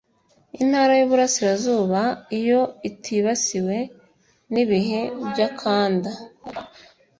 Intara y’Uburasirazuba iyo itibasiwe n’ibihe by’akanda